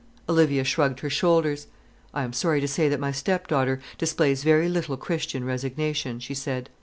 Olivia shrugged her shoulders. "I am sorry to say that my stepdaughter displays very little Christian resignation," she said.